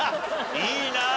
いいなあ！